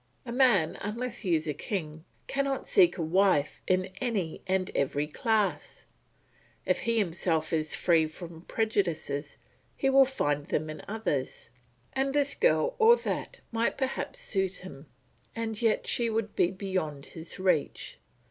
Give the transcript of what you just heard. A man, unless he is a king, cannot seek a wife in any and every class; if he himself is free from prejudices, he will find them in others; and this girl or that might perhaps suit him and yet she would be beyond his reach.